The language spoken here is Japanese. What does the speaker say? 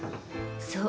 そう。